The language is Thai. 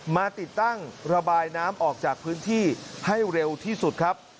มาติดตั้งระบายน้ำออกจากพื้นที่ให้เร็วที่สุดครับ